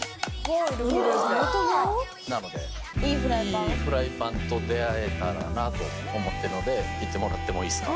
いいフライパンと出合えたらなと思ってるので行ってもらってもいいっすか？